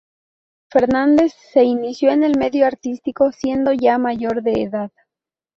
Fernández se inició en el medio artístico siendo ya mayor de edad.